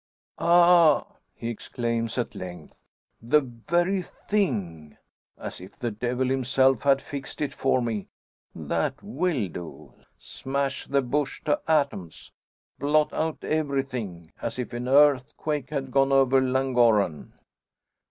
"Ah!" he exclaims at length, "the very thing; as if the devil himself had fixed it for me! That will do; smash the bush to atoms blot out everything, as if an earthquake had gone over Llangorren."